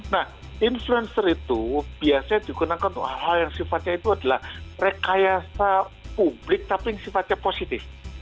nah influencer itu biasanya digunakan untuk hal hal yang sifatnya itu adalah rekayasa publik tapi yang sifatnya positif